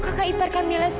kakak ipar kamila sendiri